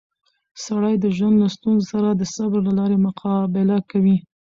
سړی د ژوند له ستونزو سره د صبر له لارې مقابله کوي